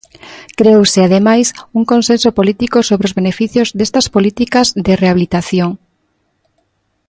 Creouse, ademais, un consenso político sobre os beneficios destas políticas de rehabilitación.